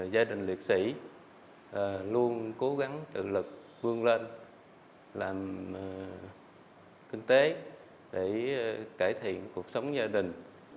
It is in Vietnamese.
gia đình liệt sĩ luôn cố gắng tự lực vươn lên làm kinh tế để cải thiện cuộc sống gia đình